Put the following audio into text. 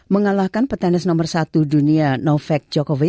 mengalahkan petainis nomor satu dunia novak djokovic